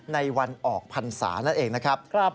ในวันออกพรรษานั่นเองนะครับ